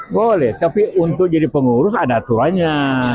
boleh tapi untuk jadi pengurus ada aturannya